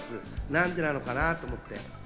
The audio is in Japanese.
なんでなのかなぁ？と思って。